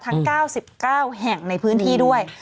ทั้ง๙๙แห่งในพื้นที่ด้วย